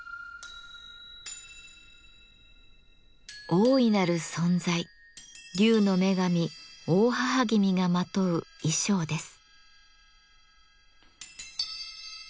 大いなる存在竜の女神・大妣君がまとう衣装です。